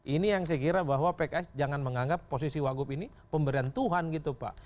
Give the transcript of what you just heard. ini yang saya kira bahwa pks jangan menganggap posisi wagub ini pemberian tuhan gitu pak